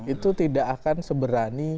itu tidak akan seberani